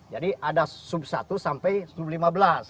jadi ada sub satu sampai sub lima belas